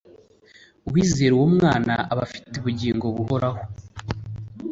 «Uwizera uwo mwana aba afite ubugingo buhoraho;